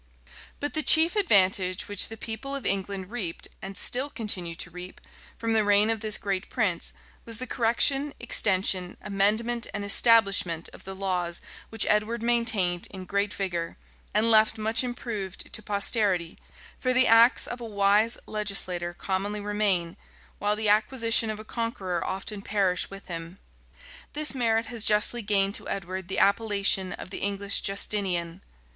But the chief advantage which the people of England reaped, and still continue to reap, from the reign of this great prince, was the correction, extension, amendment, and establishment of the laws which Edward maintained in great vigor, and left much improved to posterity; for the acts of a wise legislator commonly remain, while the acquisition of a conqueror often perish with him. This merit has justly gained to Edward the appellation of the English Justinian.